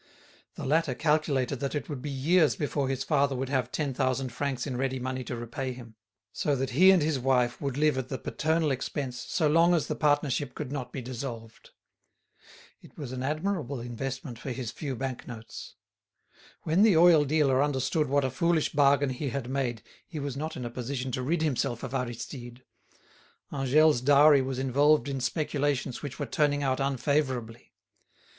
The latter calculated that it would be years before his father would have ten thousand francs in ready money to repay him, so that he and his wife would live at the paternal expense so long as the partnership could not be dissolved. It was an admirable investment for his few bank notes. When the oil dealer understood what a foolish bargain he had made he was not in a position to rid himself of Aristide; Angèle's dowry was involved in speculations which were turning out unfavourably.